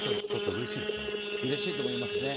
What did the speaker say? うれしいと思います。